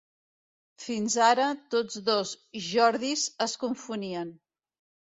Fins ara tots dos ‘Jordis’ es confonien.